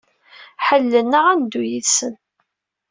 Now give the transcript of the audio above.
Ḥellelen-aɣ ad neddu yid-sen.